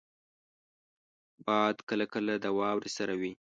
باد کله کله د واورې سره وي